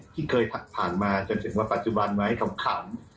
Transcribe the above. ที่เคยผ่านมาจนถึงว่าปัจจุบันไหมขำ